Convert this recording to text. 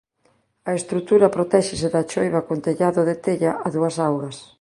A estrutura protéxese da choiva cun tellado de tella a dúas augas.